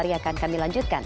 hari hari akan kami lanjutkan